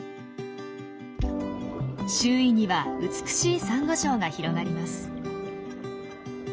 周囲には美しいサンゴ礁が広がります。